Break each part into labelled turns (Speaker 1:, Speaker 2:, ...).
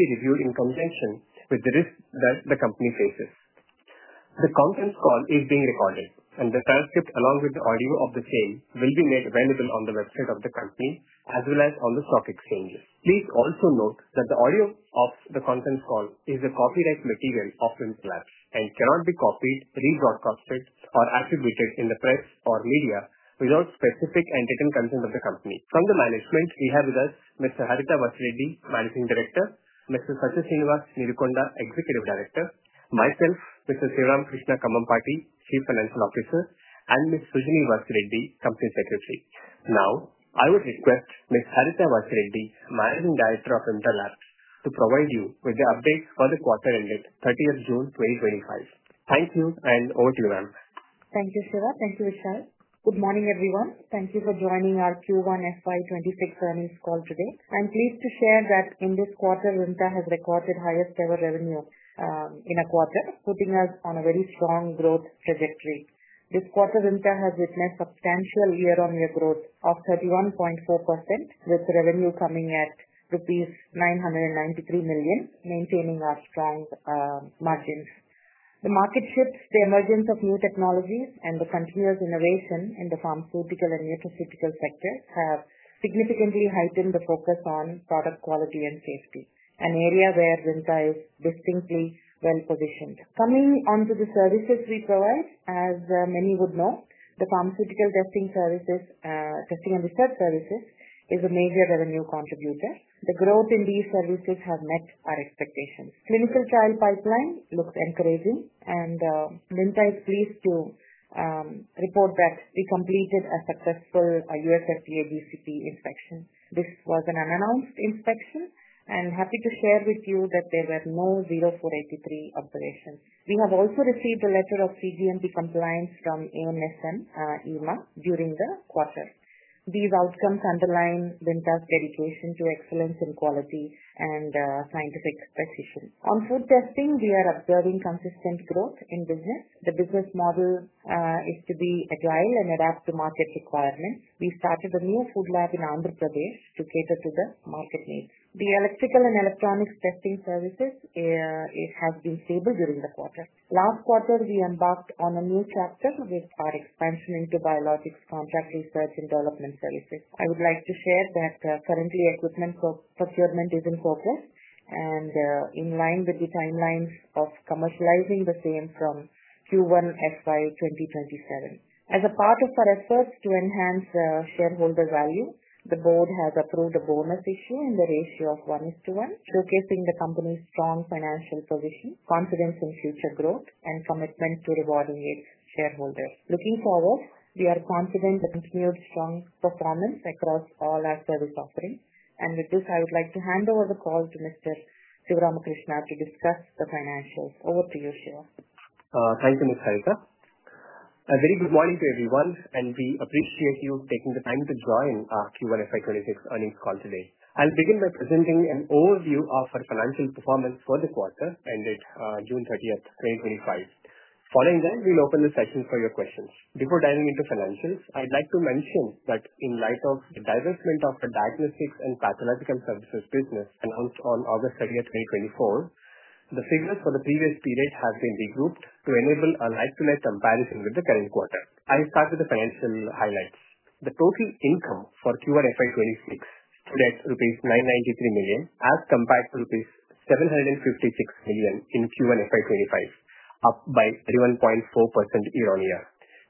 Speaker 1: This is a review of the implementation with the risks that the company faces. The conference call is being recorded, and the transcript along with the audio of the same will be made available on the website of the company as well as on the stock exchange list. Please also note that the audio of the conference call is a copyright material of Vimta Labs and cannot be copied, rebroadcasted, or attributed in the press or media without specific entity and company. From the management, we have with us Ms. Harita Vasireddi, Managing Director; Mr. Satya Sreenivas Neerukonda, Executive Director; myself, Mr. Siva Rama Krishna Kambhampati, Chief Financial Officer; and Ms. Sujani Vasireddi, Company Secretary. Now, I would request Ms. Harita Vasireddi, Managing Director of Vimta Labs, to provide you with the updates for the quarter ending 30th June 2025. Thank you, and over to you, ma'am.
Speaker 2: Thank you, Siva. Thanks for your time. Good morning, everyone. Thank you for joining our Q1 FY 2026 earnings call today. I'm pleased to share that in this quarter, Vimta has recorded the highest ever revenue in a quarter, putting us on a very strong growth trajectory. This quarter, Vimta has witnessed substantial year-on-year growth of 31.4%, with revenue coming at rupees 993 million, maintaining our strong margins. The market shifts, the emergence of new technologies, and the continuous innovation in the pharmaceutical and nutraceutical sectors have significantly heightened the focus on product quality and safety, an area where Vimta is distinctly well positioned. Coming on to the services we provide, as many would know, the pharmaceutical testing and research services is a major revenue contributor. The growth in these services has met our expectations. Clinical trial pipeline looks encouraging, and Vimta is pleased to report that we completed a successful U.S. FDA BCP inspection. This was an unannounced inspection, and I'm happy to share with you that there were no 483 observations. We have also received a letter of CGMP compliance from ANSM, EMA during the quarter. These outcomes underline Vimta's dedication to excellence in quality and scientific precision. On food testing, we are observing consistent growth in business. The business model is to be agile and adapt to market requirements. We started a new food lab in Ahmedabad to cater to the market needs. The electrical and electronics testing services have been stable during the quarter. Last quarter, we embarked on a new chapter with our expansion into biologics contract research and development services. I would like to share that currently, equipment for procurement is in focus and in line with the timelines of commercializing the same from Q1 FY 2027. As a part of our efforts to enhance shareholder value, the board has approved a bonus issue in the ratio of 1:1, showcasing the company's strong financial position, confidence in future growth, and commitment to rewarding its shareholders. Looking forward, we are confident in its new strong performance across all aspects of its offering. With this, I would like to hand over the call to Mr. Siva Rama Krishna Kambhampati to discuss the financials. Over to you, Siva.
Speaker 1: Thank you, Ms. Harita. A very good morning to everyone, and we are pleased to hear you taking the time to join our Q1 FY 2026 earnings call today. I'll begin by presenting an overview of our financial performance for the quarter ended June 30, 2025. Following those, we'll open the session for your questions. Before diving into the announcements, I'd like to mention that in light of the divestment of the diagnostics and pathological services business announced on August 30, 2024, the figures for the previous period have been regrouped to enable a lifetime comparison with the current quarter. I'll start with the financial highlights. The total income for Q1 FY 2026 is at rupees 993 million, as compared to rupees 756 million in Q1 FY 2025, up by 31.4% year-on-year.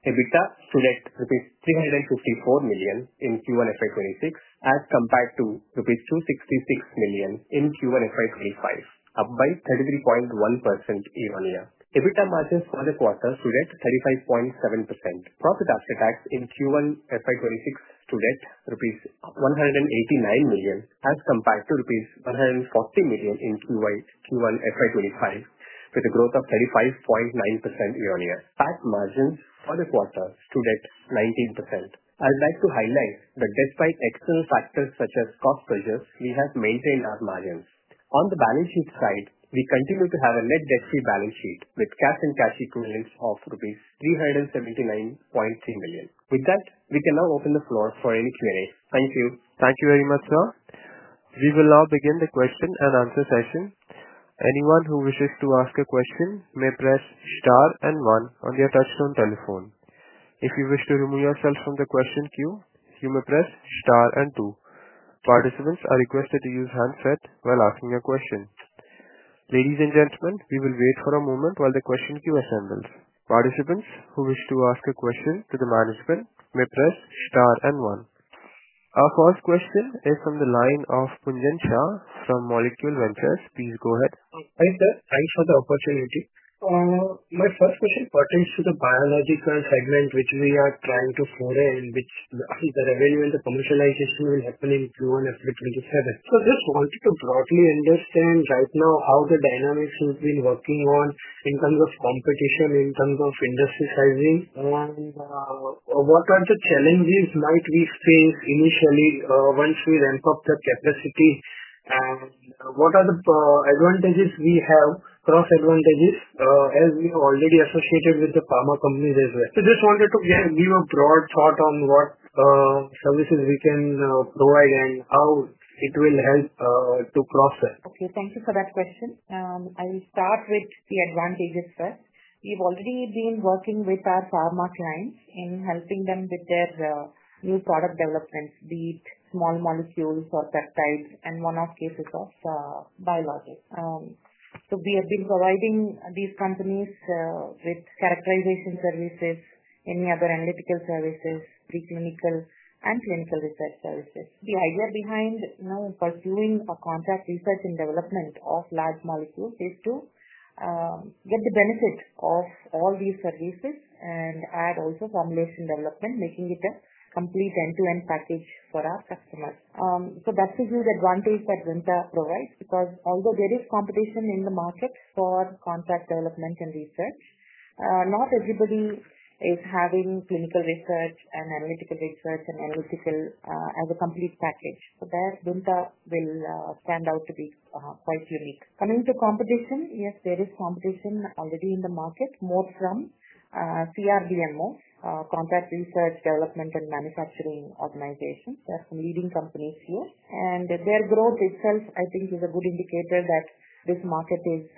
Speaker 1: EBITDA stood at INR 354 million in Q1 FY 2026, as compared to INR 266 million in Q1 FY 2025, up by 33.1% year-on-year. EBITDA margins for the quarter stood at 35.7%. Profit after tax in Q1 FY26 stood at rupees 189 million, as compared to rupees 140 million in Q1 FY 2025 with a growth of 35.9% year-on-year. Cash margins for the quarter stood at 19%. I'd like to highlight that despite external factors such as cost pressures, we have maintained our margins. On the balance sheet side, we continue to have a net debt-free balance sheet with cash and cash equivalents of rupees 379.3 million. With that, we can now open the floor for any Q&A. Thank you.
Speaker 3: Thank you very much, sir. We will now begin the question and answer session. Anyone who wishes to ask a question may press star and one on their touchstone telephone. If you wish to remove yourself from the question queue, you may press star and two. Participants are requested to use handset while asking a question. Ladies and gentlemen, we will wait for a moment while the question queue assembles. Participants who wish to ask a question to the management may press star and one. Our first question is from the line of Pujan Shah from Molecule Ventures. Please go ahead.
Speaker 4: Thank you, sir. Thanks for the opportunity. My first question pertains to the biological guidelines, which we are proud to follow, and which the revenue and the commercialization will happen in Q1 FY 2027. I just wanted to broadly understand right now how the dynamics will be working on in terms of competition, in terms of industry sizing, and what are the challenges like these things initially, once we ramp up the capacity. What are the advantages we have, cross-advantages, as we are already associated with the pharma companies as well? I just wanted to give a broad thought on what services we can provide and how it will help to cross that.
Speaker 2: Thank you for that question. I'll start with the advantages first. We've already been working with our pharma clients in helping them with their new product developments, be it small molecules or peptides, and one-off cases of biologics. We have been providing these companies with characterization services, any other analytical services, preclinical, and clinical research services. The idea behind now pursuing a contract research and development of lab molecules is to get the benefit of all these services and add also formulation development, making it a complete end-to-end package for our customer. That's a huge advantage that Vimta provides because although there is competition in the markets for contract development and research, not everybody is having clinical research and analytical research and analytical, as a complete package. There, Vimta will stand out to be quite unique. Coming to competition, yes, there is competition already in the market, more from CRDMO, Contract Research Development and Manufacturing Organization. There are some leading companies here. Their growth itself, I think, is a good indicator that this market is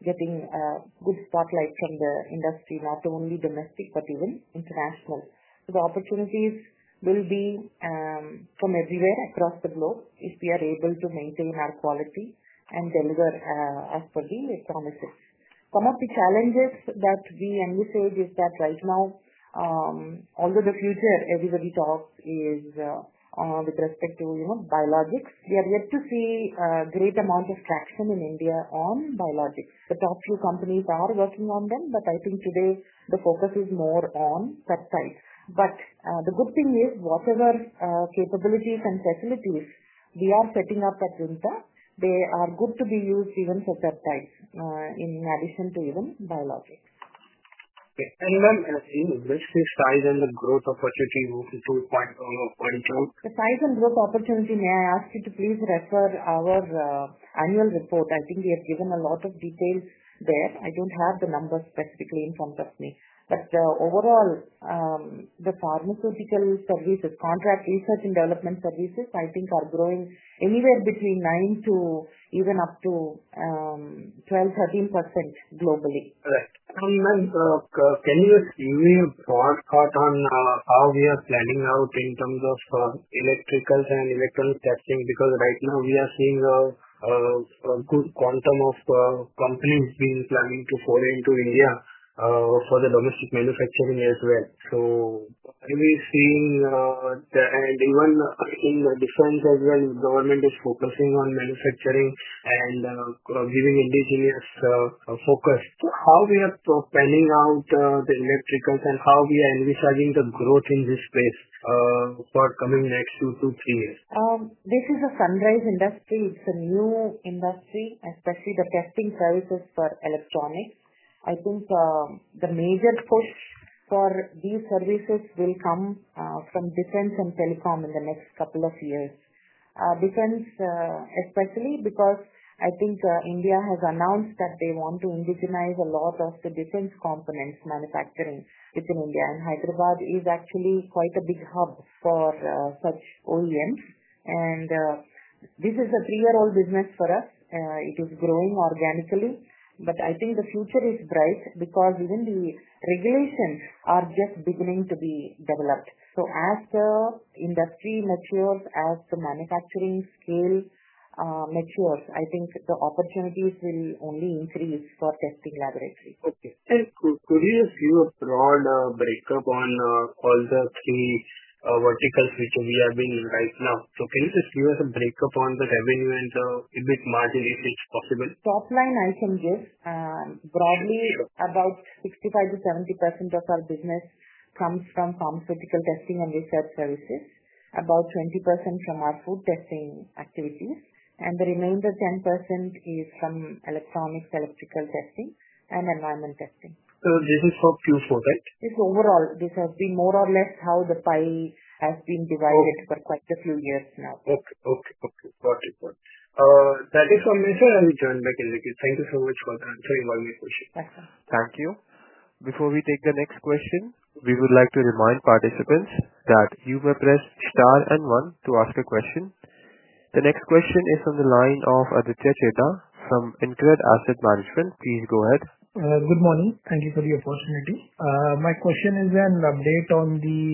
Speaker 2: getting a good spotlight from the industry, not only domestic but even international. The opportunities will be from everywhere across the globe if we are able to maintain our quality and deliver as per the economics. Some of the challenges that we encountered is that right now, although the future everybody talks is with respect to biologics, we are yet to see a great amount of traction in India on biologics. The top two companies are working on them, but I think today the focus is more on peptides. The good thing is whatever capabilities and facilities we are putting up at Vimta, they are good to be used even for peptides, in addition to even biologics.
Speaker 4: Okay. And ma'am, I think what's the size and the growth opportunity you want to point out?
Speaker 2: The size and growth opportunity, may I ask you to please refer our annual report? I think we have given a lot of detail there. I don't have the numbers specifically in front of me. The overall, the pharmaceutical services, contract research and development services, I think are growing anywhere between 9% to even up to 12%, 13% globally.
Speaker 4: Right. Can you give me a broad thought on how we are planning out in terms of electrical testing and electronics testing? Because right now we are seeing a good quantum of companies being planning to go into India for the domestic manufacturing as well. We are seeing, even in the defense as well, the government is focusing on manufacturing and giving indigenous focus. How are we planning out the electrical testing and how are we envisaging the growth in this space for the coming next two to three years?
Speaker 2: This is a sunrise industry. It's a new industry, especially the testing services for electronics. I think the major push for these services will come from defense and telecom in the next couple of years. Defense, especially because I think India has announced that they want to indigenize a lot of the defense components manufacturing within India. Hyderabad is actually quite a big hub for such OEMs, and this is a three-year-old business for us. It is growing organically. I think the future is bright because even the regulations are just beginning to be developed. As the industry matures, as the manufacturing skill matures, I think the opportunities will only increase for testing laboratories.
Speaker 4: Could you give a broad breakup on all the key verticals which we are doing right now? Please give us a breakup on the revenue and EBIT margin if it's possible.
Speaker 2: Top line items, broadly, about 65%-70% of our business comes from pharmaceutical testing and research services, about 20% from our food testing activities, and the remainder 10% is from electronics, electrical testing, and environment testing.
Speaker 4: Is this for Q4 then?
Speaker 2: This is overall. This has been more or less how the pie has been divided for quite a few years now.
Speaker 4: Okay. Got it. Thank you so much, sir, and we'll join back in with you. Thank you so much for answering my questions.
Speaker 2: Thank you.
Speaker 3: Thank you. Before we take the next question, we would like to remind participants that you may press star and one to ask a question. The next question is from the line of Aditya Chheda from InCred Asset Management. Please go ahead.
Speaker 5: Good morning. Thank you for the opportunity. My question is an update on the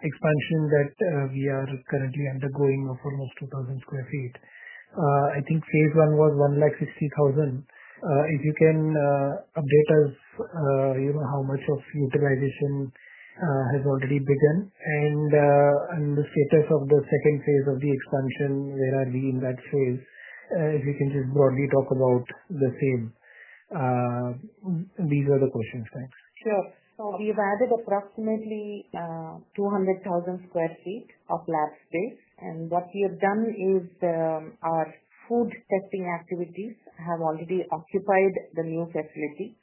Speaker 5: expansion that we are currently undergoing in the form of 2,000 square feet. I think phase one was 160,000. If you can update us, you know, how much of utilization has already begun and the status of the second phase of the expansion, where are we in that phase? If you can just broadly talk about the same. These are the questions thanks.
Speaker 2: We have added approximately 200,000 square feet of lab space. What we have done is, our food testing activities have already occupied the new facility,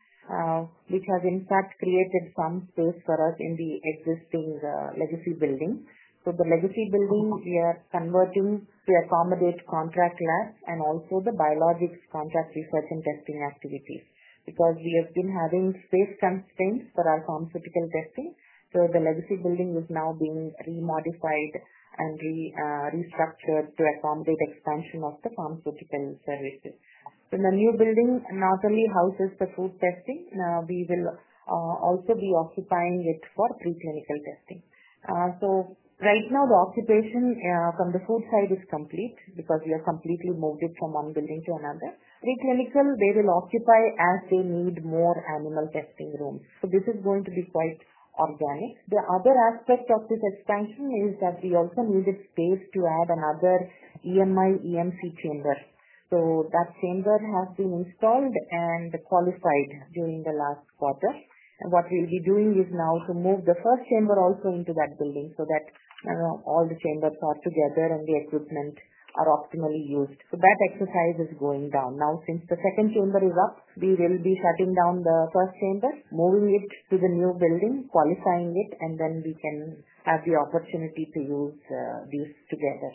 Speaker 2: which has, in fact, created some space for us in the existing legacy building. The legacy building we are converting to accommodate contract labs and also the biologics contract research and testing activities because we have been having space constraints for our pharmaceutical testing. The legacy building is now being remodified and restructured to accommodate expansion of the pharmaceutical services. In the new building, not only houses the food testing, we will also be occupying it for preclinical testing. Right now, the occupation from the food side is complete because we have completely moved it from one building to another. Preclinical, they will occupy as they need more animal testing rooms. This is going to be quite organic. The other aspect of this expansion is that we also needed space to add another EMI/EMC chamber. That chamber has been installed and qualified during the last quarter. What we'll be doing is now to move the first chamber also into that building so that all the chambers are together and the equipment are optimally used. That exercise is going down. Now, since the second chamber is up, we will be shutting down the first chamber, moving it to the new building, qualifying it, and then we can have the opportunity to use these together.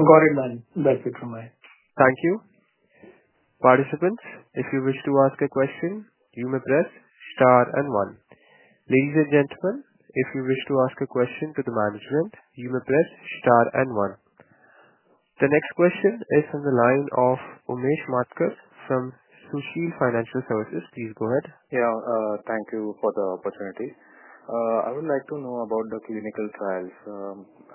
Speaker 5: I got it, ma'am. That's it from my end. Thank you.
Speaker 3: Participants, if you wish to ask a question, you may press star and one. Ladies and gentlemen, if you wish to ask a question to the management, you may press star and one. The next question is from the line of Umesh Matkar from Sushil Financial Services. Please go ahead.
Speaker 6: Thank you for the opportunity. I would like to know about the clinical trials.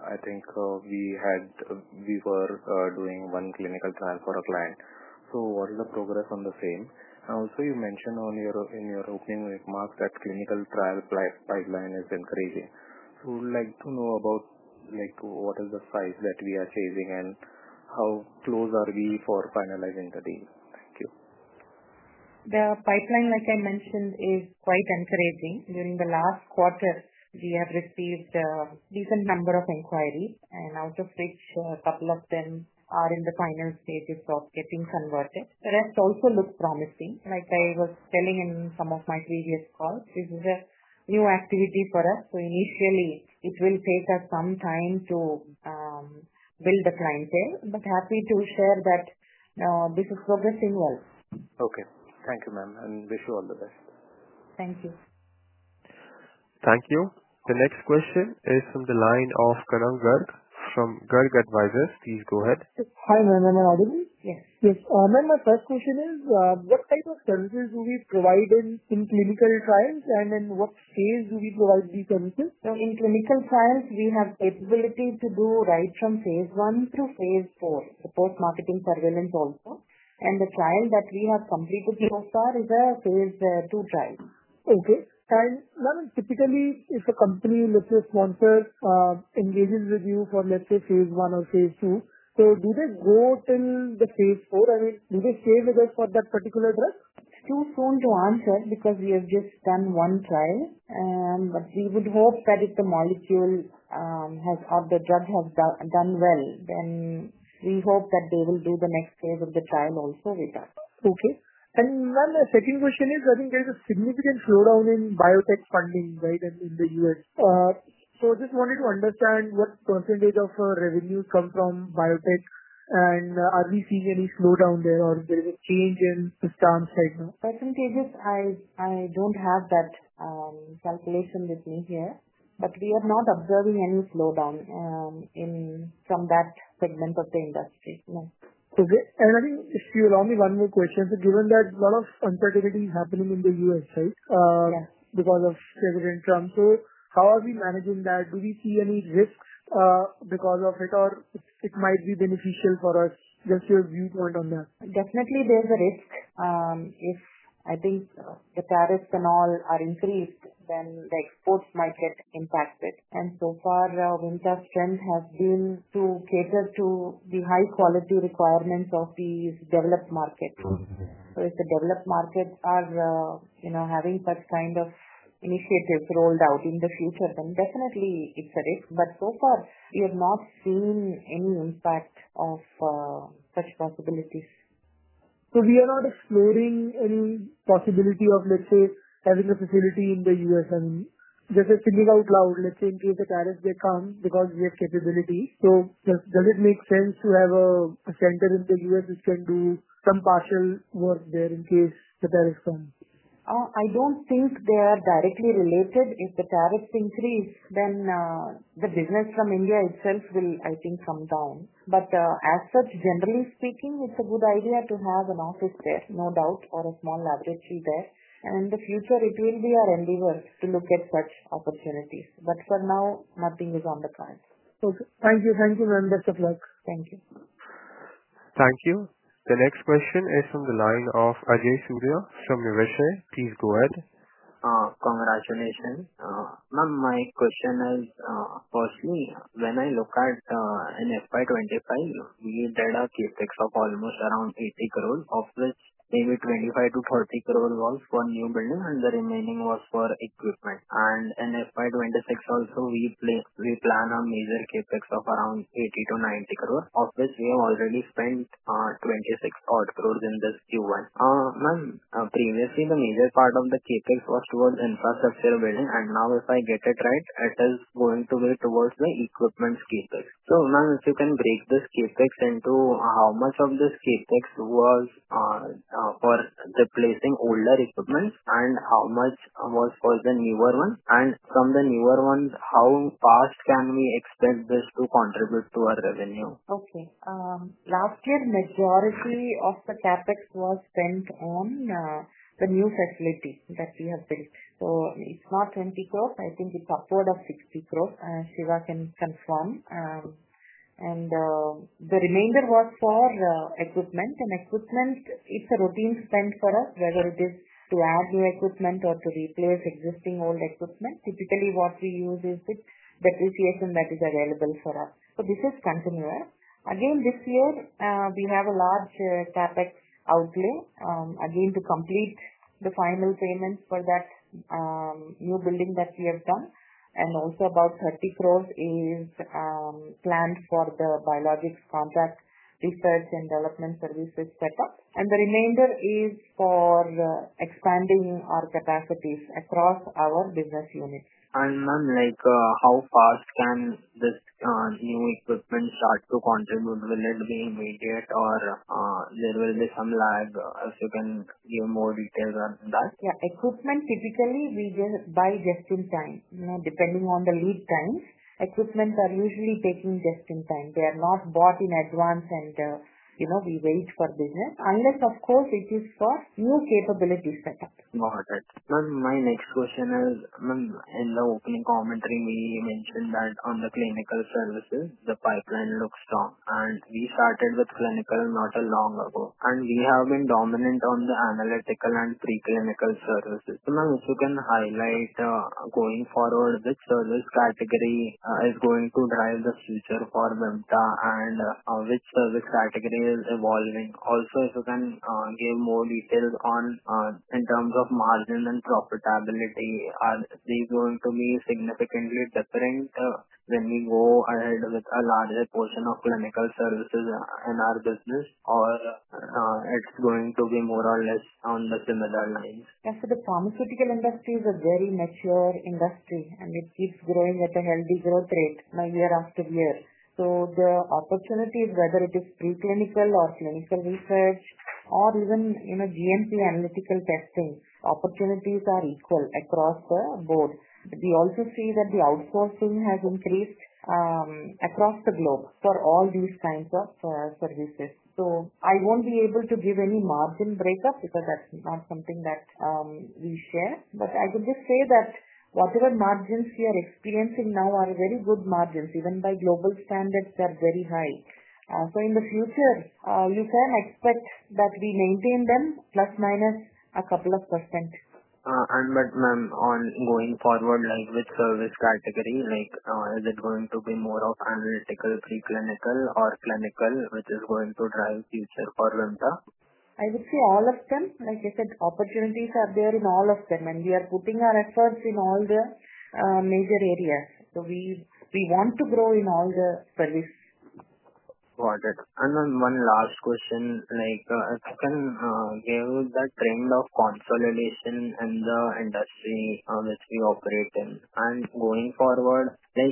Speaker 6: I think we were doing one clinical trial for a client. What is the progress on the same? You mentioned in your opening remarks that the clinical trial pipeline is encouraging. We would like to know about what is the size that we are saving and how close are we for finalizing the deal. Thank you.
Speaker 2: The pipeline, like I mentioned, is quite encouraging. During the last quarter, we have received a decent number of inquiries, out of which a couple of them are in the final stages of getting converted. The rest also look promising. Like I was telling in some of my previous calls, this is a new activity for us. Initially, it will take us some time to build the clientele, but happy to share that this is progressing well.
Speaker 6: Okay. Thank you, ma'am, and wish you all the best.
Speaker 2: Thank you.
Speaker 3: Thank you. The next question is from the line of Karan Garg from [Garg Advisors]. Please go ahead. Hi, ma'am. Am I audible?
Speaker 2: Yes. Yes. Ma'am, my first question is, what type of services do we provide in clinical trials, and in what phase do we provide these services? In clinical trials, we have the capability to do right from Phase I through Phase IV, support marketing surveillance also. The trial that we have completed so far is a Phase II trial. Okay. Typically, if a company looks to sponsor, engages with you from, let's say, phase one or phase two, do they go till the phase four? I mean, do they stay with us for that particular trial? It's too soon to answer because we have just done one trial. We would hope that if the molecule, or the drug, has done well, then we hope that they will do the next phase of the trial also with us. Okay. Ma'am, my second question is, I think there's a significant slowdown in biotech funding, right, in the U.S. I just wanted to understand what % of our revenue comes from biotechs, and are we seeing any slowdown there, or there's a change in the stats right now? Percentages, I don't have that calculation with me here, but we are not observing any slowdown from that segment of the industry. No. Okay. If you allow me one more question, given that a lot of uncertainty is happening in the U.S. because of COVID and so on, how are we managing that? Do we see any risks because of it, or it might be beneficial for us? Just your viewpoint on that. Definitely, there's a risk. If I think the tariffs and all are increased, the exports might get impacted. So far, Vimta's trend has been to cater to the high-quality requirements of these developed markets. If the developed markets are, you know, having such kind of initiatives rolled out in the future, definitely, it's a risk. So far, we have not seen any impact of such possibilities. We are not exploring any possibility of, let's say, having a facility in the U.S. and just thinking out loud, let's say, in case the tariffs become because we have capabilities. Does it make sense to have a center in the U.S. which can do some partial work there in case the tariffs come? I don't think they are directly related. If the tariffs increase, then the business from India itself will, I think, come down. Generally speaking, it's a good idea to have an office there, no doubt, or a small laboratory there. In the future, it will be our endeavor to look at such opportunities. For now, nothing is on the clients. Okay. Thank you. Thank you, ma'am. Best of luck. Thank you.
Speaker 3: Thank you. The next question is from the line of Ajay Surya from Niveshaay. Please go ahead.
Speaker 7: Congratulations. Ma'am, my question is, personally, when I look at FY 2025, we did a CapEx of almost around 80 crore. Of this, maybe 25 crore-40 crore was for new building, and the remaining was for equipment. FY 2026 also, we plan a major CapEx of around 80 crore-90 crore. Of this, we have already spent 26 odd crore in this Q1. Ma'am, previously, the major part of the CapEx was towards infrastructure building. If I get it right, it is going to be towards the equipment CapEx. Ma'am, if you can break this CapEx into how much of this CapEx was for replacing older equipment and how much was for the newer one, and from the newer ones, how fast can we expect this to contribute to our revenue?
Speaker 2: Okay. Last year, majority of the capex was spent on the new facility that we have built. It's not 20 crore. I think it's upward of 60 crore. Siva can confirm. The remainder was for equipment. Equipment is a routine spend for us, whether it is to add new equipment or to replace existing old equipment. Typically, what we use is the depreciation that is available for us. This is continual. This year, we have a large capex outlay again to complete the final payments for that new building that we have done. Also, about 30 crore is planned for the biologics contract research and development services setup. The remainder is for expanding our capacities across our business units.
Speaker 7: Ma'am, how fast can this new equipment start to contribute? Will it be immediate, or will there be some lag? If you can give more details on that.
Speaker 2: Yeah. Equipment, typically, we just buy just in time. You know, depending on the lead times, equipment are usually taking just in time. They are not bought in advance, and you know, we wait for business unless, of course, it is for new capability setup.
Speaker 7: Got it. Ma'am, my next question is, ma'am, in the opening commentary, we mentioned that on the clinical services, the pipeline looks strong. We started with clinical not too long ago, and we have been dominant on the analytical and preclinical services. Ma'am, if you can highlight, going forward, which service category is going to drive the future for Vimta and which service category is evolving? Also, if you can give more details on, in terms of margin and profitability, are they going to be significantly different when we go ahead with a larger portion of clinical services in our business, or is it going to be more or less on the similar lines?
Speaker 2: Yeah. The pharmaceutical industry is a very mature industry, and it keeps growing with a healthy growth rate year after year. The opportunities, whether it is preclinical or clinical research or even, you know, GMP analytical testing, opportunities are equal across the board. We also see that the outsourcing has increased, across the globe for all these kinds of services. I won't be able to give any margin breakup because that's not something that we share. I can just say that whatever margins we are experiencing now are very good margins. Even by global standards, they are very high. In the future, you can expect that we maintain them plus minus a couple of %.
Speaker 7: Ma'am, going forward, which service category, like, is it going to be more of analytical, preclinical, or clinical, which is going to drive future for Vimta?
Speaker 2: I would say all of them. Like I said, opportunities are there in all of them, and we are putting our efforts in all the major areas. We want to grow in all the services.
Speaker 7: Got it. One last question, if you can, give that trend of consolidation in the industry in which we operate in. Going forward, is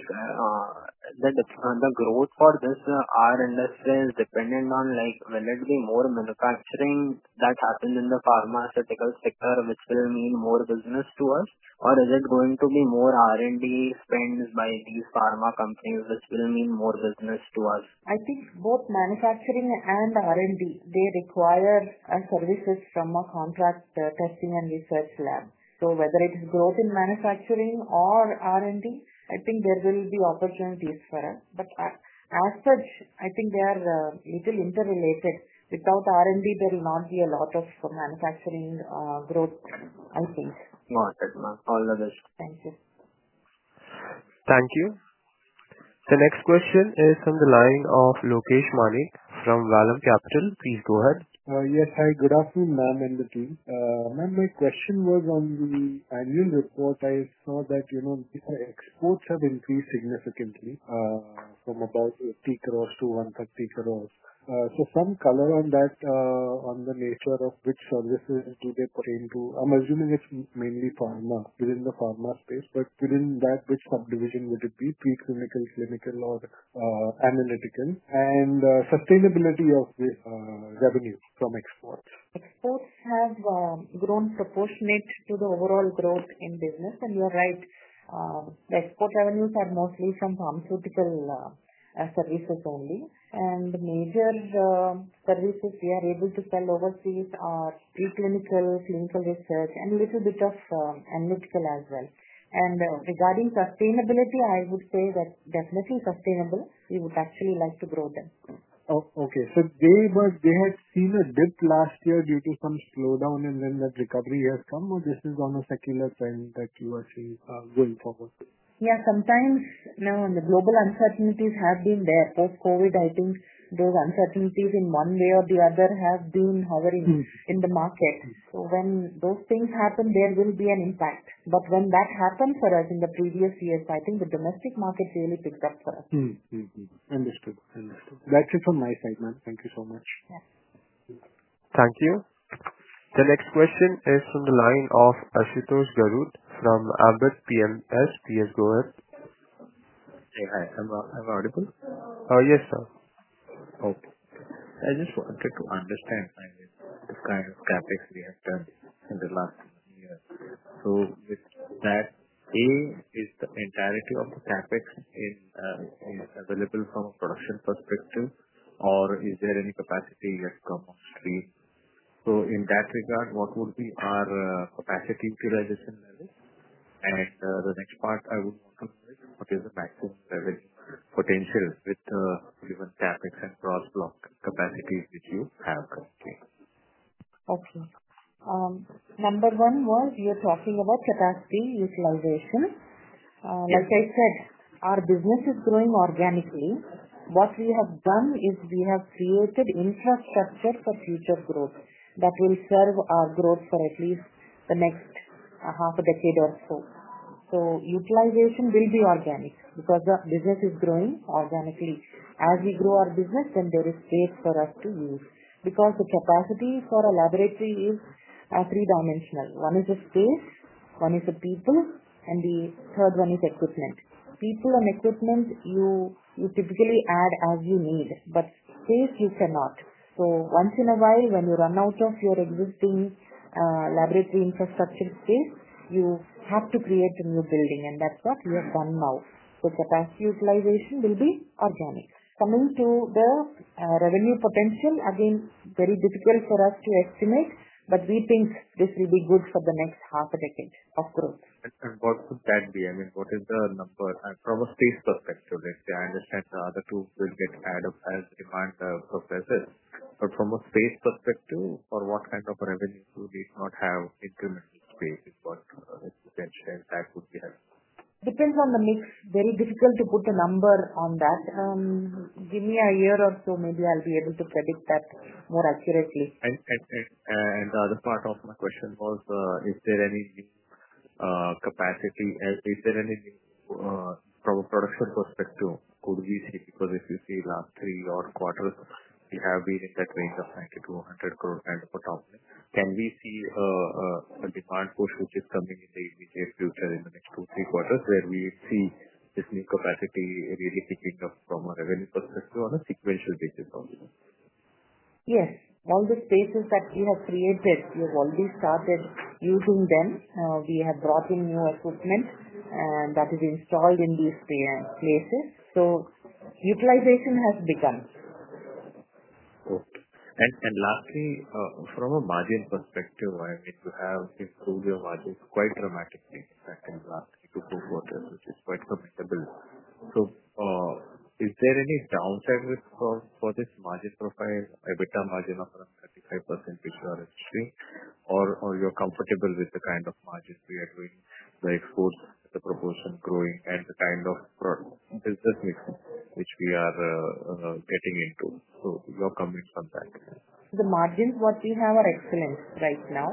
Speaker 7: the growth for this industry dependent on, like, will it be more manufacturing that happens in the pharmaceutical sector, which will mean more business to us, or is it going to be more R&D spend by these pharma companies, which will mean more business to us?
Speaker 2: I think both manufacturing and R&D require services from a contract testing and research lab. Whether it is growth in manufacturing or R&D, I think there will be opportunities for us. They are a little interrelated. Without R&D, there will not be a lot of manufacturing growth, I think.
Speaker 7: Got it, ma'am. All the best.
Speaker 2: Thank you.
Speaker 3: Thank you. The next question is from the line of Lokesh Manik from Vallum Capital. Please go ahead.
Speaker 8: Yes. Hi. Good afternoon, ma'am, and the team. Ma'am, my question was on the annual report. I saw that, you know, the exports have increased significantly, from about 80 crore to 130 crore. Some color on that, on the nature of which services do they put into. I'm assuming it's mainly pharma within the pharma space. Within that, which subdivision would it be, preclinical, clinical, or analytical? And the sustainability of the revenue from exports.
Speaker 2: Exports have grown proportionate to the overall growth in business. You're right, the export revenues are mostly from pharmaceutical testing and research services only. The major services we are able to sell overseas are preclinical, clinical research, and a little bit of analytical as well. Regarding sustainability, I would say that definitely sustainable. We would actually like to grow them.
Speaker 8: Okay. They had seen a dip last year due to some slowdown, and then that recovery has come, or this is on a secular trend that you are seeing going forward?
Speaker 2: Yeah. Sometimes, you know, the global uncertainties have been there. Post-COVID, I think those uncertainties in one way or the other have been hovering in the market. When those things happen, there will be an impact. When that happened for us in the previous years, I think the domestic market really picked up for us.
Speaker 8: Understood. That's it from my side, ma'am. Thank you so much.
Speaker 3: Thank you. The next question is from the line of Ashutosh Garud from Ambit PMS. Please go ahead.
Speaker 9: Hi, am I audible?
Speaker 3: Yes, sir.
Speaker 9: Okay. I just wanted to understand the kind of CapEx we have done in the last year. With that, is the entirety of the CapEx available from a production perspective, or is there any capacity yet to come up? In that regard, what would be our capacity utilization level? The next part I would want to ask is, what is the maximum level potential with the given CapEx and cross-block capacities which you have currently?
Speaker 2: Okay. Number one was we are talking about capacity utilization. Like I said, our business is growing organically. What we have done is we have created infrastructure for future growth that will serve our growth for at least the next half a decade or so. Utilization will be organic because the business is growing organically. As we grow our business, then there is space for us to use because the capacity for a laboratory is three-dimensional. One is the skill, one is the people, and the third one is equipment. People and equipment, you typically add as you need, but space, you cannot. Once in a while, when you run out of your existing laboratory infrastructure space, you have to create a new building. That is what we have done now. Capacity utilization will be organic. Coming to the revenue potential, again, it's very difficult for us to estimate, but we think this will be good for the next half a decade of growth.
Speaker 9: What could that be? I mean, what is the number? From a space perspective, let's say I understand the other two will get added as a part of the business. From a space perspective, for what kind of revenues would we not have incremental space? What potential is that would be?
Speaker 2: Depends on the mix. Very difficult to put a number on that. Give me a year or so, maybe I'll be able to predict that more accurately.
Speaker 9: The other part of my question was, is there any new capacity? Is there any new, from a production perspective? Could we see, because if you see the last three-odd quarters, we have been in that range of 90 crore-100 crore kind of a profit. Can we see a demand push, which is coming in the future in the next two, three quarters, where we see this new capacity really picking up from a revenue perspective on a sequential basis?
Speaker 2: Yes. All the spaces that you have created, we have already started using them. We have brought in new equipment, and that is installed in these places. Utilization has begun.
Speaker 9: Okay. Lastly, from a margin perspective, if you have exposure, margins quite dramatically second last year to Q4, which is quite comfortable. Is there any downside for this margin profile? EBITDA margin of around 35% if you are interested, or are you comfortable with the kind of margins we are doing, the exports, the proposal growing, and the kind of product business which we are getting into? Your comments on that.
Speaker 2: The margins what we have are excellent right now.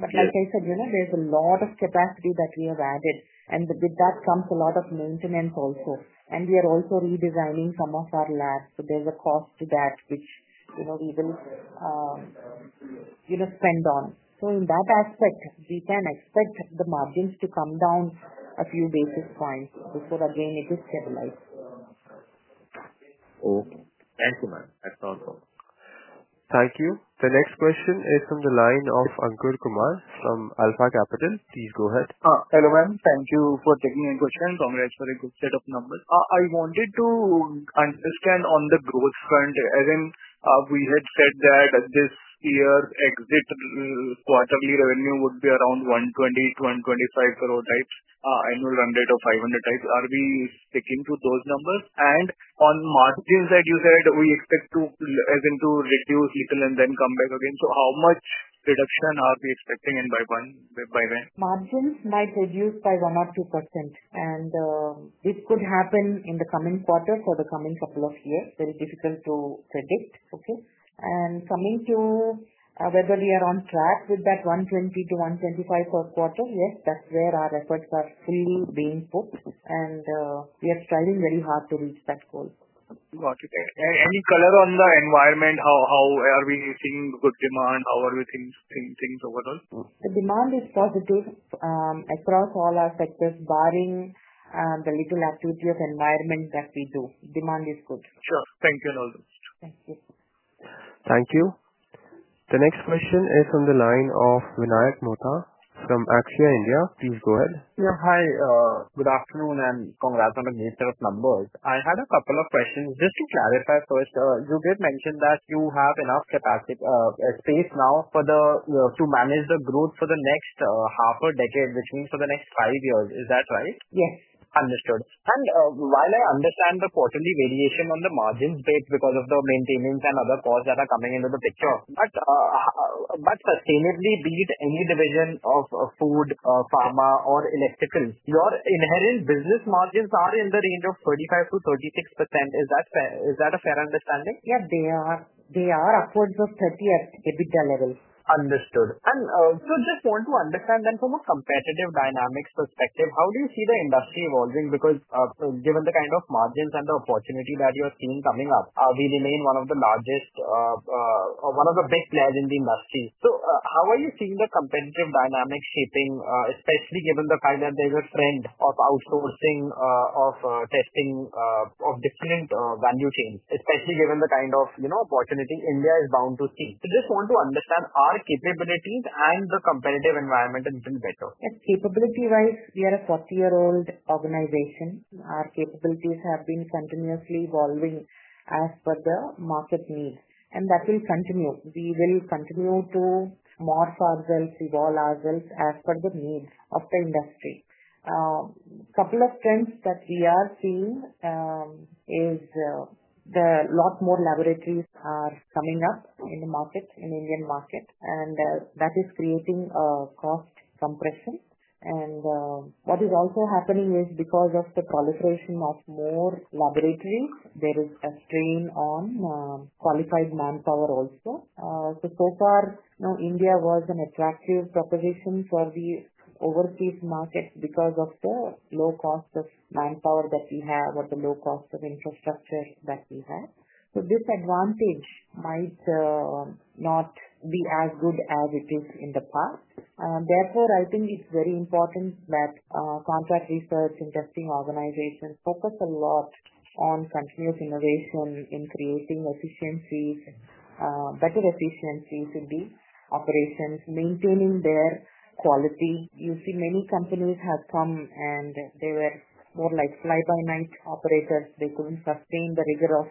Speaker 2: Like I said, you know there's a lot of capacity that we have added, and with that comes a lot of maintenance also. We are also redesigning some of our labs, so there's a cost to that which we will even, you know, spend on. In that aspect, we can expect the margins to come down a few basis points, but again, it is stabilized.
Speaker 9: Okay. Thank you, ma'am. That's all.
Speaker 3: Thank you. The next question is from the line of [Ankur Kumar] from [Alpha Capital]. Please go ahead. Hello, ma'am. Thank you for taking my question. I'm coming at a very good set of numbers. I wanted to understand on the growth trend. We had said that this year's exit quarterly revenue would be around 120 crore-125 crore types, annual run rate of 500 types. Are we sticking to those numbers? On the margin side, you said we expect to, as in, to reduce even and then come back again. How much reduction are we expecting and by when?
Speaker 2: Margins might reduce by 1% or 2%. It could happen in the coming quarter or for the coming couple of years. Very difficult to predict. Okay. Coming to whether we are on track with that 120 million-125 million per quarter, yes, that's where our efforts are still being put, and we are striving very hard to reach that goal. Got it. Any color on the environment? How are we seeing good demand? How are we seeing things overall? The demand is positive across all our sectors, barring the little activity of environment testing that we do. Demand is good. Sure. Thank you all. Thank you.
Speaker 3: Thank you. The next question is from the line of Vinayak Mohta from Axia, India. Please go ahead.
Speaker 10: Yeah. Hi, good afternoon, and congrats on the new set of numbers. I had a couple of questions. Just to clarify first, you did mention that you have enough space now to manage the growth for the next half a decade, which means for the next five years. Is that right?
Speaker 2: Yes.
Speaker 10: Understood. While I understand the quarterly variation on the margins because of the maintenance and other costs that are coming into the picture, sustainably, be it any division of food, pharma, or electrical, your inherent business margins are in the range of 35%-36%. Is that a fair understanding?
Speaker 2: Yeah, they are upwards of 30% at the EBITDA level.
Speaker 10: Understood. I just want to understand then from a competitive dynamics perspective, how do you see the industry evolving? Because given the kind of margins and the opportunity that you are seeing coming up, we remain one of the largest, one of the big players in the industry. How are you seeing the competitive dynamics shaping, especially given the fact that there's a trend of outsourcing, of testing, of different value chains, especially given the kind of opportunity India is bound to see? I just want to understand our capabilities and the competitive environment a little better.
Speaker 2: Capability-wise, we are a 30-year-old organization. Our capabilities have been continuously evolving as per the market needs. That will continue. We will continue to morph ourselves, evolve ourselves as per the needs of the industry. A couple of trends that we are seeing is, a lot more laboratories are coming up in the market, in the Indian market. That is creating a cost compression. What is also happening is because of the proliferation of more laboratories, there is a strain on qualified manpower also. So far, you know, India was an attractive proposition for the overseas markets because of the low cost of manpower that we have or the low cost of infrastructure that we have. This advantage might not be as good as it is in the past. Therefore, I think it's very important that contract research and testing organizations focus a lot on continuous innovation in creating efficiencies, better efficiencies in the operations, maintaining their quality. You see, many companies have come and they were more like fly-by-night operators. They couldn't sustain the rigor of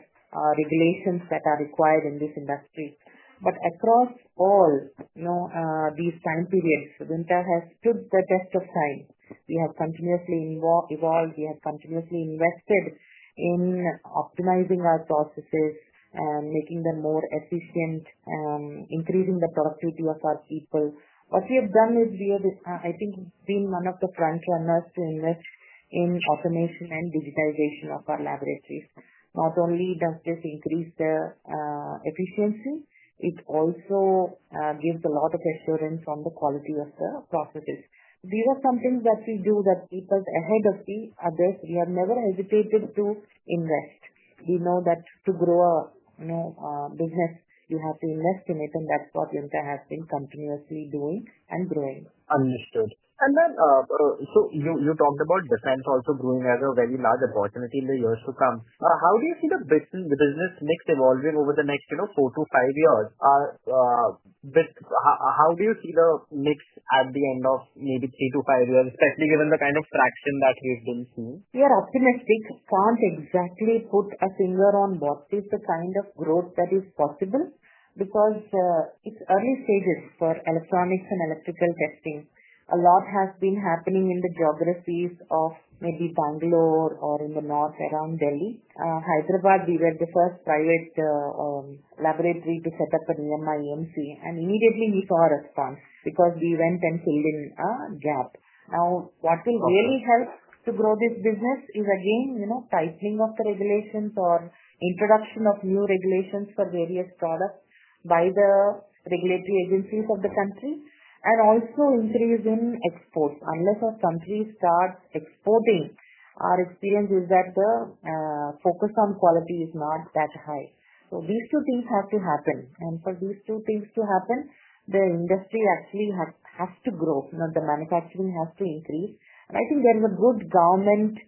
Speaker 2: regulations that are required in this industry. Across all these time periods, Vimta has stood the test of time. We have continuously evolved. We have continuously invested in optimizing our processes and making them more efficient, increasing the productivity of our people. What we have done is we have, I think, seen one of the transformers to invest in automation and digitization of our laboratories. Not only does this increase their efficiency, it also gives a lot of assurance on the quality of the processes. These are some things that we do that people ahead of us, we have never hesitated to invest. We know that to grow a, you know, business, you have to invest in it. That's what Vimta has been continuously doing and growing.
Speaker 10: Understood. You talked about defense also growing as a very large opportunity in the years to come. How do you see the business mix evolving over the next, you know, four to five years? How do you see the mix at the end of maybe three to five years, especially given the kind of traction that we've been seeing?
Speaker 2: We are optimistic. Can't exactly put a finger on what is the kind of growth that is possible because it's early stages for electronics and electrical testing. A lot has been happening in the geographies of maybe Bangalore or in the north around Delhi. Hyderabad, we were the first private laboratory to set up an EMI/EMC. Immediately, we saw a response because we went and filled in a gap. What will really help to grow this business is, again, tightening of the regulations or introduction of new regulations for various products by the regulatory agencies of the country. Also, increase in exports. Unless our country starts exporting, our experience is that the focus on quality is not that high. These two things have to happen. For these two things to happen, the industry actually has to grow. The manufacturing has to increase. I think there is a good government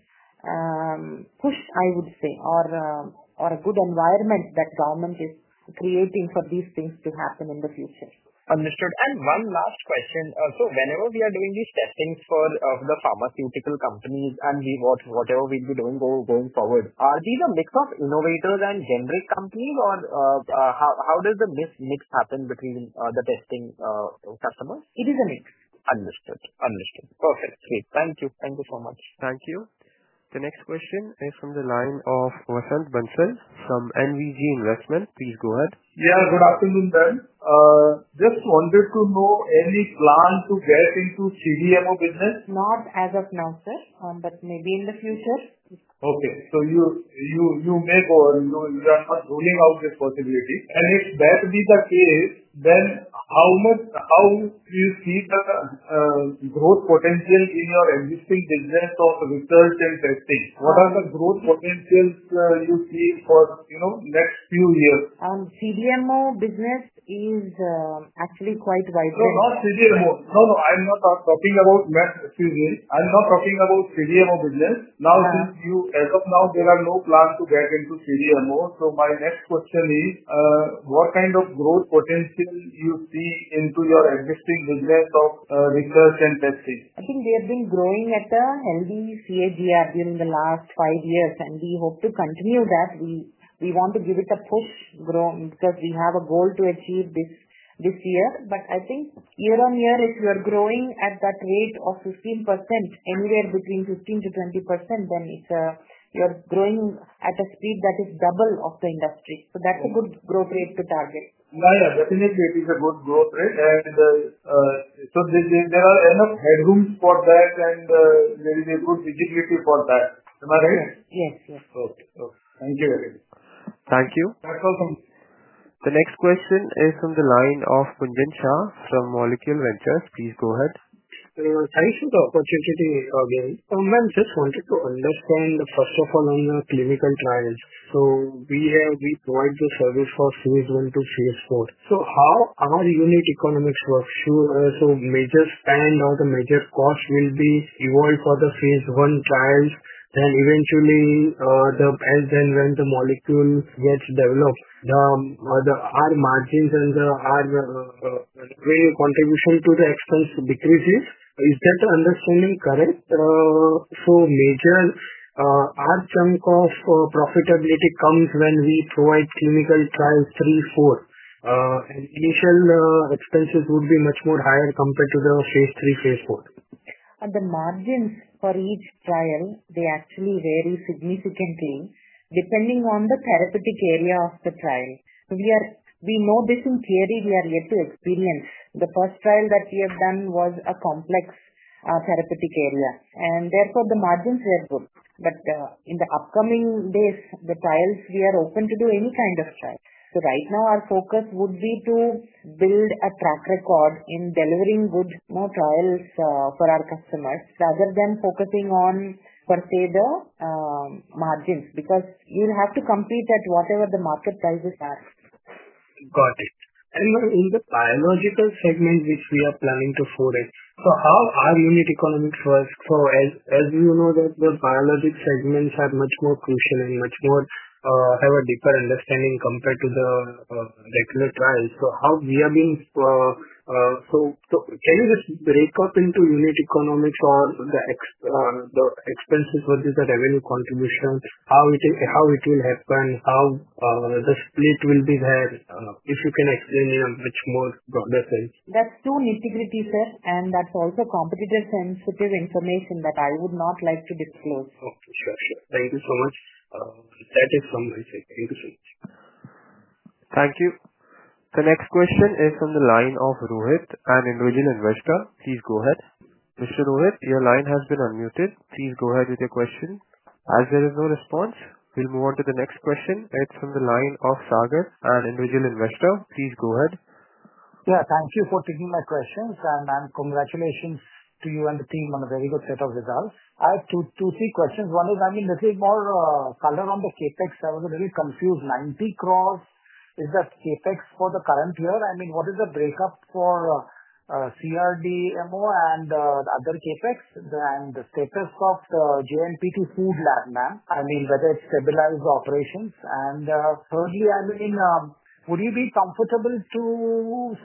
Speaker 2: push, I would say, or a good environment that government is creating for these things to happen in the future.
Speaker 10: Understood. One last question. Whenever we are doing these testings for the pharmaceutical companies and we watch whatever we'll be doing going forward, are these a mix of innovators and generic companies, or how does the mix happen between the testing customers?
Speaker 2: It is a mix.
Speaker 10: Understood. Perfect. Great. Thank you so much.
Speaker 3: Thank you. The next question is from the line of [Wasant Bansal] from [NVG Investment]. Please go ahead. Yeah. Good afternoon, sir. Just wanted to know, any plan to get into CDMO business?
Speaker 2: Not as of now, sir, but maybe in the future. Okay. You may go on. You are not ruling out this possibility. If that be the case, then how do you see the growth potential in your existing business of research and testing? What are the growth potentials you see for the next few years? CDMO business is actually quite vibrant. Not CDMO. No, no. I'm not talking about CDMO. I'm not talking about CDMO business. Now, you end up now, there are no plans to get into CDMO. My next question is, what kind of growth potential do you see into your existing business of research and testing? I think we have been growing at a healthy CAGR during the last five years, and we hope to continue that. We want to give it a push because we have a goal to achieve this this year. I think year on year, if you are growing at that rate of 15%, anywhere between 15%-20%, then you're growing at a speed that is double of the industry. That's a good growth rate to target. Yeah, definitely, it is a good growth rate. There are enough headrooms for that, and there is a good visibility for that. Am I right? Yes, yes. Okay. Okay. Thank you very much.
Speaker 3: Thank you. You're welcome. The next question is from the line of Pujan Shah from Molecule Ventures. Please go ahead.
Speaker 4: Thanks for the opportunity. I wanted to understand, first of all, on the clinical trial. We provide this service for Phase I to Phase IV. How are unit economics for sure? Major spend or the major cost will be involved for the Phase I trials. Eventually, as and when the molecules get developed, our margins and the real contribution to the expense decreases. Is that understanding correct? Major chunk of profitability comes when we provide clinical trials III, IV, and initial expenses would be much more higher compared to the Phase III, Phase IV.
Speaker 2: The margins for each trial actually vary significantly depending on the therapeutic area of the trial. We know this in theory. We are yet to experience. The first trial that we have done was a complex therapeutic area, and therefore, the margins were good. In the upcoming days, the trials we are open to do any kind of trial. Right now, our focus would be to build a track record in delivering good trials for our customers rather than focusing on the margins because you'll have to compete at whatever the market prices are.
Speaker 4: Got it. In the biological segment, which you are planning to focus, how are unit economics for us? As you know, the biologic segments are much more crucial and have a deeper understanding compared to the regular trials. Can you just break up into unit economics or the expenses versus the revenue contribution? How will it happen? How will the split be there? If you can explain in a much more broader sense.
Speaker 2: That's true in a nitty-gritty sense. That's also competitor-sensitive information that I would not like to disclose.
Speaker 4: Oh, sure. Thank you so much. That is from my side.
Speaker 3: Thank you. The next question is from the line of [Rohit] an individual investor. Please go ahead. Mr. [Rohit], your line has been unmuted. Please go ahead with your question. As there is no response, we'll move on to the next question. It's from the line of [Sagar] an individual investor. Please go ahead. Thank you for taking my questions, and congratulations to you and the team on a very good set of results. I have two or three questions. One is, I mean, a little bit more color on the CapEx. I was a little bit confused. 90 crore, is that CapEx for the current year? What is the breakup for CRDMO and the other CapEx and the CapEx of the GMP to food lab, ma'am? I mean, whether it's stabilized operations? Thirdly, would you be comfortable to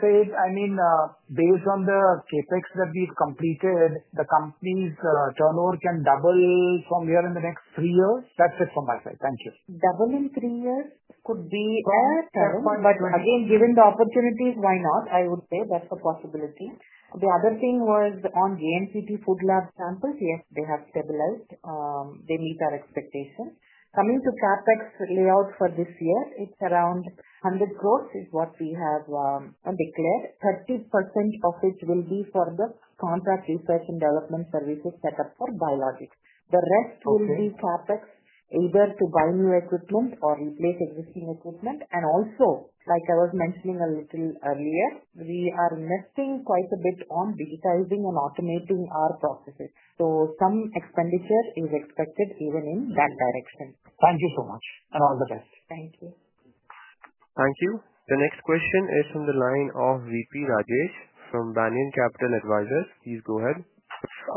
Speaker 3: say, based on the CapEx that we've completed, the company's turnover can double from here in the next three years? That's it from my side. Thank you.
Speaker 2: Double in three years could be fair. Given the opportunities, why not? I would say that's a possibility. The other thing was on GMP to food lab samples. Yes, they have stabilized. They meet our expectations. Coming to CapEx layout for this year, it's around 100 crore is what we have declared, 30% of which will be for the contract research and development services set up for biologics. The rest will be CapEx either to buy new equipment or replace existing equipment. Also, like I was mentioning a little earlier, we are investing quite a bit on digitizing and automating our processes. Some expenditure is expected even in that direction. Thank you so much. All the best. Thank you.
Speaker 3: Thank you. The next question is from the line of V.P. Rajesh from Banyan Capital Advisors. Please go ahead.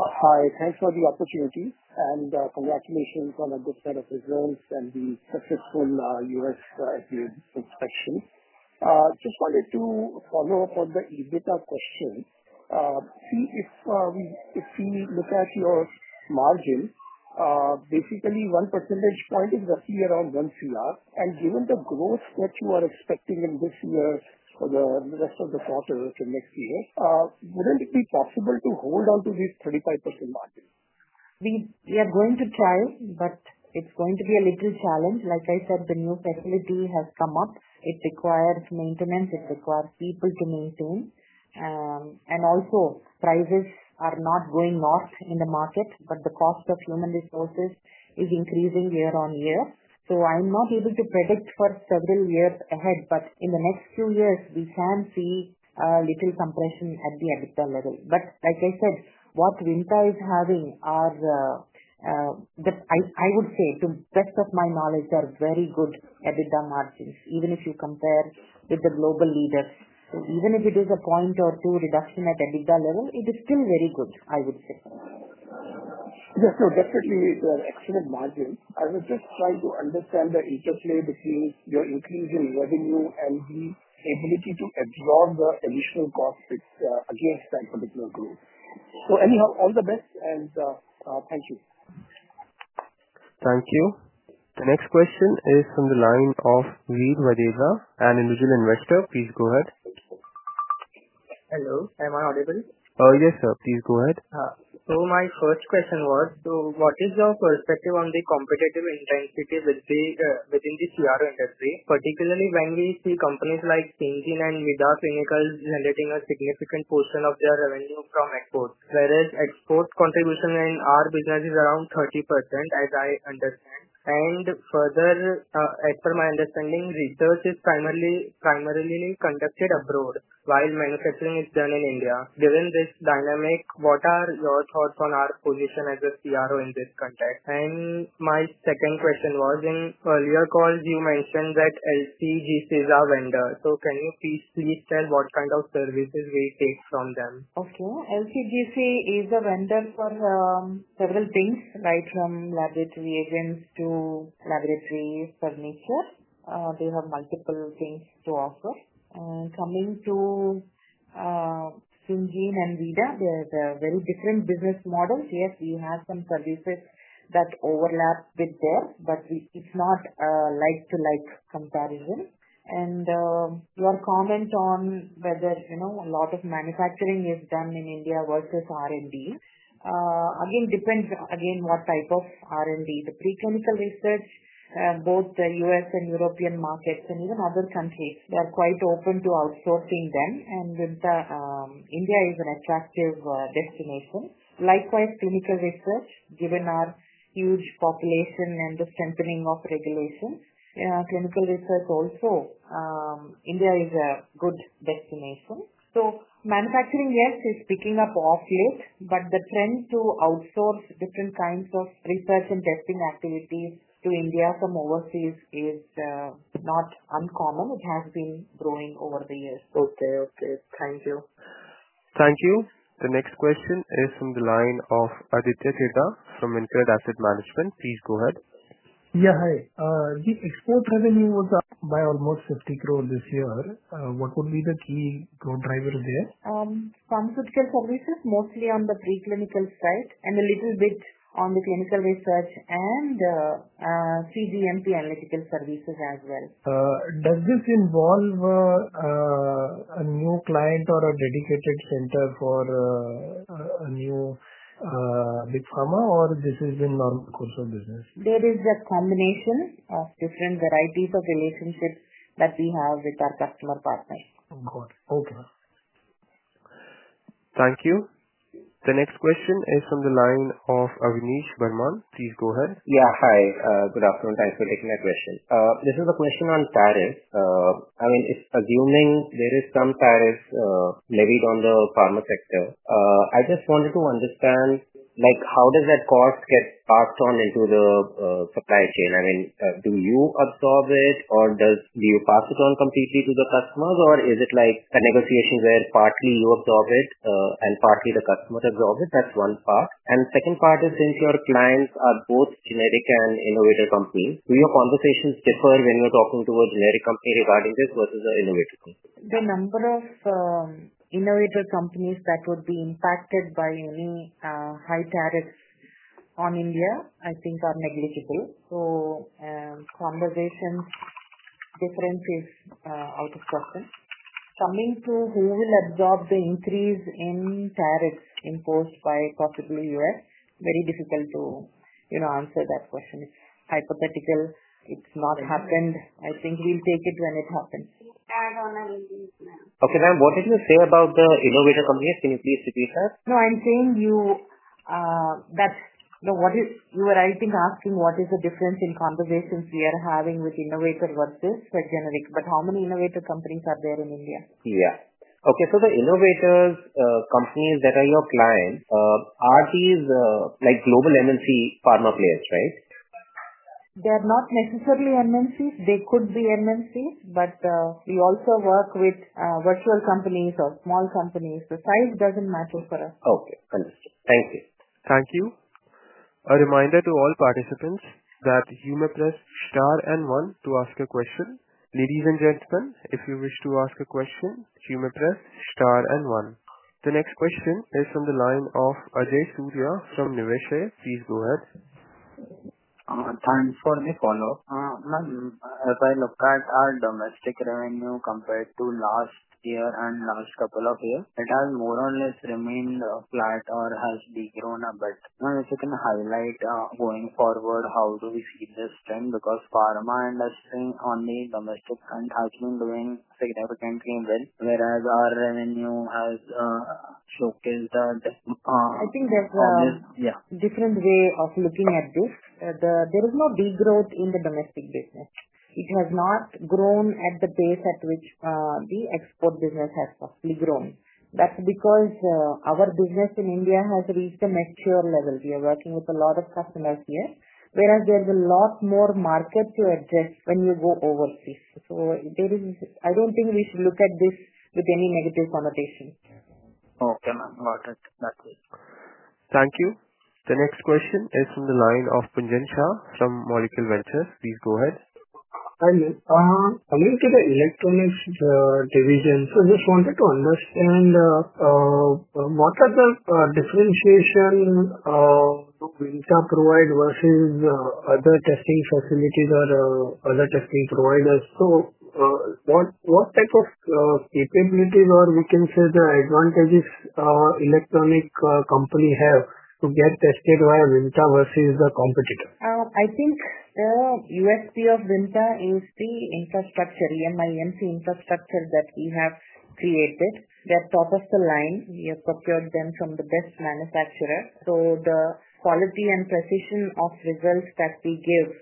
Speaker 11: Hi. Thanks for the opportunity and congratulations on a good. I just wanted to follow up on the EBITDA question. If we look at your margins, basically, one percentage point is roughly around once a year. Given the growth that you are expecting in this year for the rest of the quarters in next year, wouldn't it be possible to hold on to this 35% margin?
Speaker 2: We are going to try, but it's going to be a little challenge. Like I said, the new technology has come up. It requires maintenance. It requires people to maintain, and also, prices are not going off in the market, but the cost of human resources is increasing year on year. I'm not able to predict for several years ahead. In the next few years, we can see a little compression at the EBITDA level. Like I said, what Vimta is having are, I would say, to the best of my knowledge, they are very good EBITDA margins, even if you compare with the global leaders. Even if it is a point or two reduction at EBITDA level, it is still very good, I would say.
Speaker 11: Yeah, that's what you mean by excellent margins. I was just trying to understand the interplay between your increase in revenue and the ability to absorb the additional costs against the growth. Anyhow, all the best, and thank you.
Speaker 3: Thank you. The next question is from the line of [Vijay Varezha] an individual investor. Please go ahead. Hello. Am I audible? Yes, sir. Please go ahead. My first question was, what is your perspective on the competitive intensity within the CRO industry, particularly when we see companies like SinghGen and Nidha Clinicals generating a significant portion of their revenue from exports, whereas exports contribution in our business is around 30%, as I understand? Further, as per my understanding, research is primarily conducted abroad, while manufacturing is done in India. Given this dynamic, what are your thoughts on our position as a CRO in this context? My second question was, in earlier calls, you mentioned that LCGC is our vendor. Can you please tell what kind of services we take from them?
Speaker 2: Okay. LCGC is a vendor for several things, right, from laboratory agents to laboratory furniture. They have multiple things to offer. Coming to SinghGen and Nidha, they have very different business models. Yes, we have some services that overlap with theirs, but it's not a like-to-like comparison. Your comment on whether a lot of manufacturing is done in India versus R&D depends on what type of R&D. The preclinical research, both the U.S. and European markets, and even other countries, are quite open to outsourcing them. Vimta, India is an attractive destination. Likewise, clinical research, given our huge population and the strengthening of regulations, clinical research also, India is a good destination. Manufacturing is picking up offload, but the trend to outsource different kinds of research and testing activities to India from overseas is not uncommon. It has been growing over the years. Okay. Okay. Thank you.
Speaker 3: Thank you. The next question is from the line of Aditya Chheda from InCred Asset Management. Please go ahead.
Speaker 5: Yeah. Hi. The export revenue was by almost 50 crore this year. What would be the key growth driver there?
Speaker 2: Pharmaceutical services, mostly on the preclinical side, and a little bit on the clinical research and CGMP analytical services as well.
Speaker 5: Does this involve a new client or a dedicated center for a new big pharma, or is this a normal course of business?
Speaker 2: There is a combination of different varieties of relationships that we have with our customer partners.
Speaker 5: Got it. Okay.
Speaker 3: Thank you. The next question is from the line of [Avinish Verman]. Please go ahead. Yeah. Hi. Good afternoon. Thanks for taking my question. This is a question on tariffs. I mean, assuming there is some tariff levied on the pharma sector, I just wanted to understand, like, how does that cost get passed on into the supply chain? I mean, do you absorb it, or do you pass it on completely to the customers, or is it like a negotiation where partly you absorb it and partly the customer absorbs it? That's one part. The second part is, since your clients are both generic and innovator companies, do your conversations differ when you're talking to a generic company regarding this versus an innovator company?
Speaker 2: The number of innovator companies that would be impacted by any high tariffs on India, I think, are negligible. Conversations differ out of pocket. Coming to who will absorb the increase in tariffs imposed by possibly U.S., very difficult to, you know, answer that question. It's hypothetical. It's not happened. I think we'll take it when it happens. Okay, ma'am. What did you say about the innovator companies? Can you please repeat that? I'm saying that's what you were, I think, asking—what is the difference in conversations we are having with innovator versus a generic. How many innovator companies are there in India? Okay. The innovators, companies that are your client, are these, like global MNC pharma players, right? They're not necessarily MNC. They could be MNC, but we also work with virtual companies or small companies. The size doesn't matter for us. Okay. Understood. Thank you.
Speaker 3: Thank you. A reminder to all participants that you must press star and one to ask a question. Ladies and gentlemen, if you wish to ask a question, please press star and one. The next question is from the line of Ajay Surya from Niveshaay. Please go ahead.
Speaker 7: Thanks for the follow-up. Ma'am, as I look at our domestic revenue compared to last year and last couple of years, it has more or less remained flat or has decreased a bit. If you can highlight, going forward, how do we see this trend? Because pharma and testing on the domestic end has been doing significantly well, whereas our revenue has showcased that.
Speaker 2: I think there's a different way of looking at this. There is no big growth in the domestic business. It has not grown at the pace at which the export business has probably grown. That's because our business in India has reached a mature level. We are working with a lot of customers here, whereas there's a lot more market to address when you go overseas. I don't think we should look at this with any negative connotation.
Speaker 7: Okay, ma'am. All right. That's it.
Speaker 3: Thank you. The next question is from the line of Pujan Shah from Molecule Ventures. Please go ahead.
Speaker 4: Hi. I'm into the electronics division. I just wanted to understand what are the differentiation Vimta provides versus other testing facilities or other testing providers. What type of capabilities or advantages does our electronics company have to get tested by Vimta versus the competitor?
Speaker 2: Oh, I think, USP of Vimta is the infrastructure, EMI/EMC infrastructure that we have created. They're top of the line. We have procured them from the best manufacturers. The quality and precision of results that we give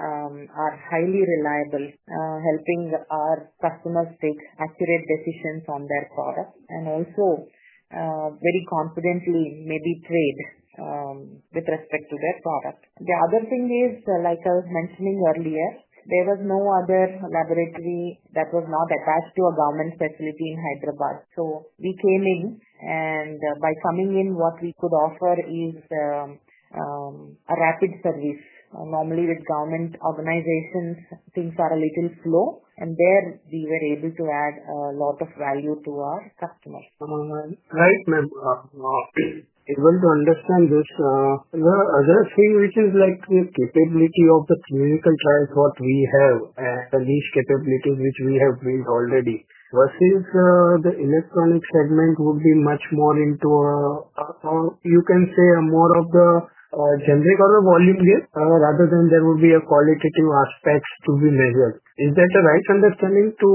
Speaker 2: are highly reliable, helping our customers take accurate decisions on their product and also, very competently maybe trade, with respect to their product. The other thing is, like I was mentioning earlier, there was no other laboratory that was not attached to a government facility in Hyderabad. We came in, and by coming in, what we could offer is a rapid service. Normally, with government organizations, things are a little slow. We were able to add a lot of value to our customers.
Speaker 4: Right, ma'am. Okay. Even to understand this, the other thing, which is like the capability of the clinical trials, what we have and each capability which we have been already versus, the electronics segment would be much more into, you can say, more of the generic or a volume gain rather than there would be a qualitative aspect to be measured. Is that the right understanding to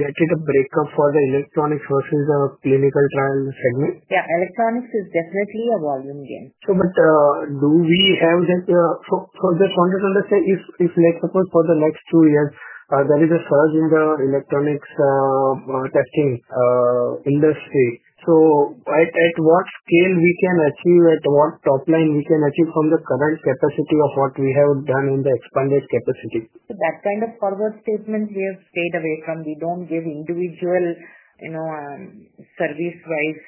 Speaker 4: get it a breakup for the electronics versus the clinical trial segment?
Speaker 2: Yeah, electronics is definitely a volume gain.
Speaker 4: Do we have that for the context understanding, if, like, suppose for the next two years, there is a surge in the electronics testing industry, at what scale we can achieve, at what top line we can achieve from the current capacity of what we have done in the expanded capacity?
Speaker 2: That kind of forward statement, we have stayed away from. We don't give individual, you know, service-wise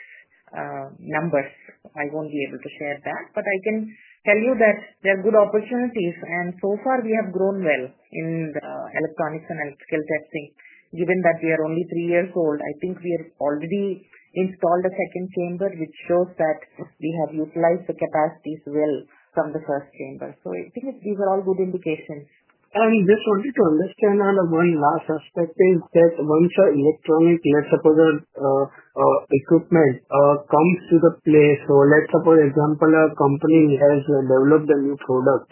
Speaker 2: numbers. I won't be able to share that. I can tell you that there are good opportunities. So far, we have grown well in the electronics and electrical testing. Given that we are only three years old, I think we have already installed a second chamber, which shows that we have utilized the capacities well from the first chamber. I think these are all good indications.
Speaker 4: I just wanted to understand another aspect that once our electronics, let's suppose, equipment comes to the place, or let's suppose, for example, a company has developed a new product.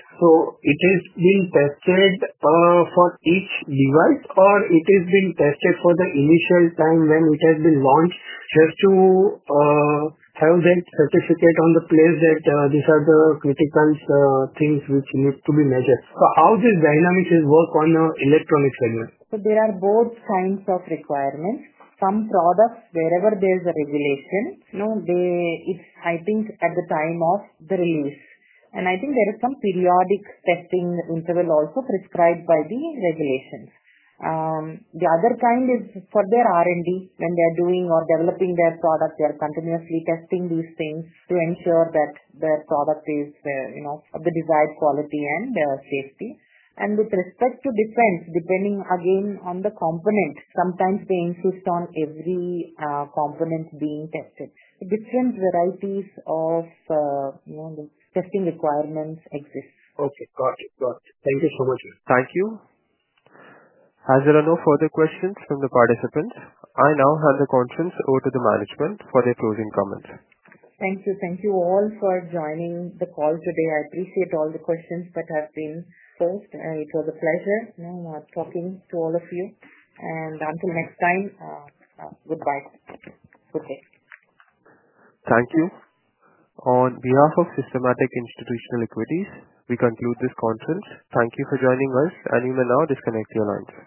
Speaker 4: It is being tested for each device, or it is being tested for the initial time when it has been launched just to have that certificate in place that these are the critical things which need to be measured. How does dynamics work on an electronics segment?
Speaker 2: There are both kinds of requirements. Some products, wherever there's a regulation, it's, I think, at the time of the release. I think there is some periodic testing interval also prescribed by the regulations. The other kind is for their R&D. When they're doing or developing their product, they are continuously testing these things to ensure that their product is of the desired quality and the safety. With respect to defense, depending again on the component, sometimes they insist on every component being tested. Different varieties of the testing requirements exist.
Speaker 4: Okay. Got it. Got it. Thank you so much.
Speaker 3: Thank you. Are there no further questions from the participants? I now hand the conference over to the management for their closing comments.
Speaker 2: Thank you. Thank you all for joining the call today. I appreciate all the questions that have been posed. It was a pleasure. Thank you all. Until next time, goodbye.
Speaker 3: Thank you. On behalf of Systematix Institutional Equities, we conclude this conference. Thank you for joining us. We will now disconnect the alarms.